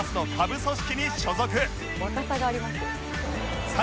「若さがありますよね」